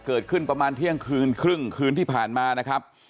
เกิดขึ้นประมาณเที่ยงคืนครึ่งคืนที่ผ่านมานะครับ